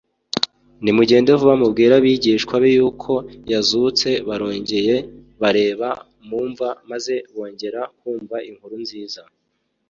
nimugende vuba mubwire abigishwa be yuko yazutse” barongeye bareba mu mva maze bongera kumva inkuru nziza